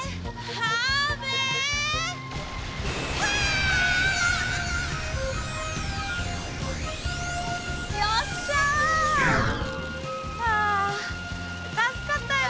はあ助かったよ。